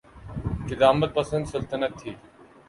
قدامت پسند سلطنت تھی۔